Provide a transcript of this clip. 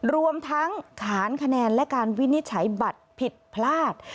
รวมทั้งขานคะแนนและการวินิจฉัยบัตรผิดพลาด